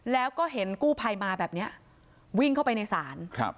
แล้วก็เห็นกู้ภัยมาแบบเนี้ยวิ่งเข้าไปในศาลครับ